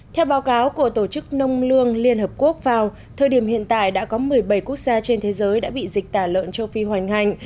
theo báo cáo của tổ chức nông lương liên hợp quốc vào thời điểm hiện tại đã có một mươi bảy quốc gia trên thế giới đã bị dịch tả lợn châu phi hoành hành